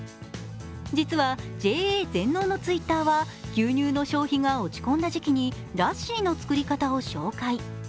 実はＪＡ全農のＴｗｉｔｔｅｒは、牛乳の消費が落ち込んだときにラッシーの作り方を紹介。